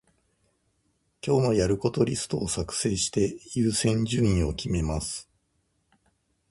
今日のやることリストを作成して、優先順位を決めます。